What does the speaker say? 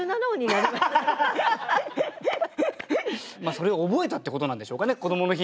それを覚えたってことなんでしょうかねこどもの日に。